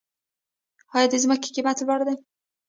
آیا د ځمکې قیمت لوړ دی؟